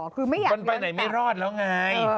คือไม่อยากย้อนกลับเป็นพี่คุณไปไหนไม่รอดแล้วไง